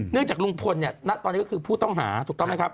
เนื่องจากรุงพลตอนนี้ก็คือผู้ต้องหาถูกต้องไหมครับ